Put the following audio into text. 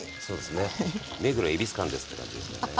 目黒恵比寿間ですって感じですよね。